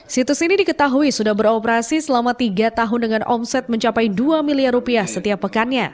situs ini diketahui sudah beroperasi selama tiga tahun dengan omset mencapai dua miliar rupiah setiap pekannya